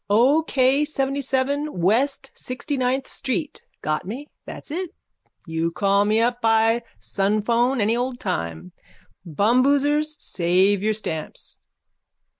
O. K. Seventyseven west sixtyninth street. Got me? That's it. You call me up by sunphone any old time. Bumboosers, save your stamps.